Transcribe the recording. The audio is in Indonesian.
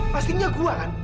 pastinya gue kan